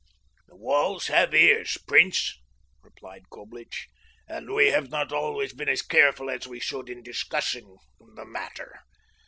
"The walls have ears, prince," replied Coblich, "and we have not always been as careful as we should in discussing the matter.